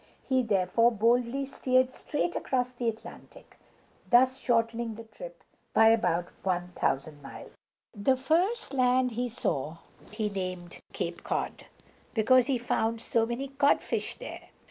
He therefore boldly steered straight across the Atlantic, thus shortening the trip by about one thousand miles. The first land he saw he named Cape Cod, because he found so many codfish there.